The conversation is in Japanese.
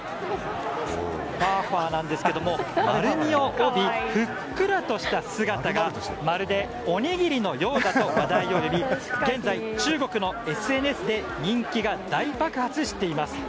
ファーファーなんですが丸みを帯びふっくらとした姿がまるで、おにぎりのようだと話題を呼び現在、中国のＳＮＳで人気が大爆発しています。